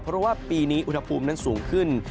เพราะว่าปีนี้อุณหภูมินั้นสูงขึ้น